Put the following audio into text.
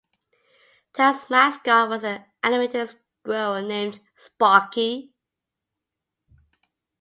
Towers' mascot was an animated squirrel named Sparky.